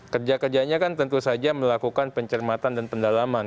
kerja kerjanya kan tentu saja melakukan pencermatan dan pendalaman